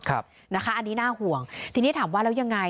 อันนี้น่าห่วงทีนี้ถามว่าแล้วยังไง